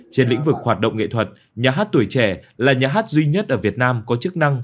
trên lĩnh vực hoạt động nghệ thuật nhà hát tuổi trẻ là nhà hát duy nhất ở việt nam có chức năng